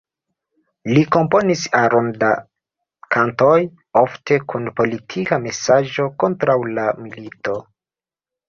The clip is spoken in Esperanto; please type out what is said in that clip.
Li komponis aron da kantoj, ofte kun politika mesaĝo kontraŭ la milito.